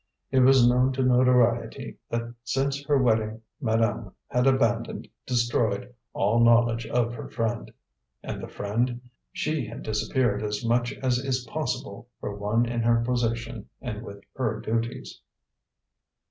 It was known to notoriety that since her wedding madame had abandoned, destroyed, all knowledge of her friend. And the friend? She had disappeared as much as is possible for one in her position and with her duties.